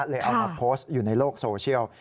เอามาโพสต์อยู่ในโลกโซเชียล